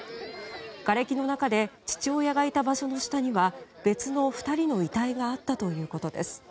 がれきの中で父親がいた場所の下には別の２人の遺体があったということです。